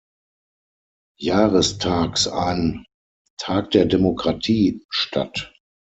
Jahrestags ein „Tag der Demokratie“ statt.